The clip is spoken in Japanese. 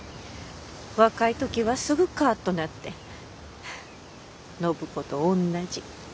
若い時はすぐカッとなって暢子と同じ。